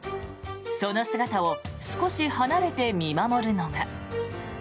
その姿を少し離れて見守るのが。